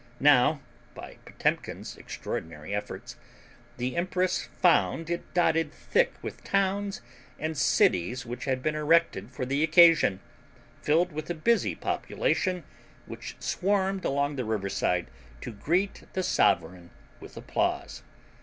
Now, by Potemkin's extraordinary efforts, the empress found it dotted thick with towns and cities which had been erected for the occasion, filled with a busy population which swarmed along the riverside to greet the sovereign with applause.